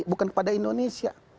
bukan pada indonesia